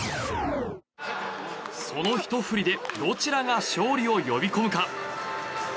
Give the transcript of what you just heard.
そのひと振りでどちらが勝利を呼び込むか。